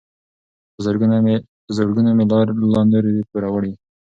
په زرګونو مي لا نور یې پوروړی